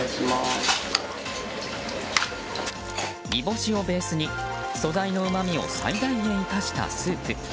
煮干しをベースに素材のうまみを最大限生かしたスープ。